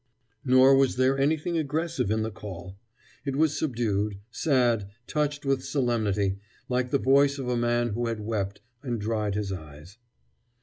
Nor was there anything aggressive in the call. It was subdued, sad, touched with solemnity, like the voice of a man who had wept, and dried his eyes.